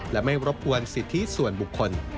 และไม่รบกวนสิทธิส่วนบุคคล